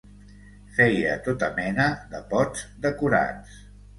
Feia tota mena de pots decorats.